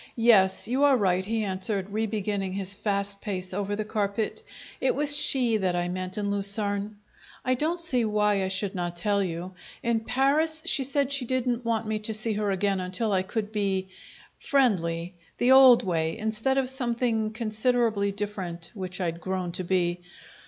"Yes, you are right," he answered, re beginning his fast pace over the carpet. "It was she that I meant in Lucerne I don't see why I should not tell you. In Paris she said she didn't want me to see her again until I could be friendly the old way instead of something considerably different, which I'd grown to be.